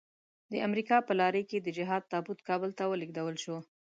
د امريکا په لارۍ کې د جهاد تابوت کابل ته ولېږدول شو.